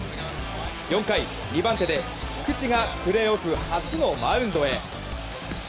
４回、２番手で菊池がプレーオフ初のマウンドへ。